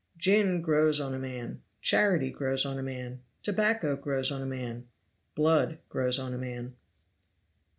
Gin grows on a man charity grows on a man tobacco grows on a man blood grows on a man.